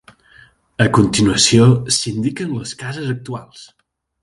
A continuació s'indiquen les cases actuals.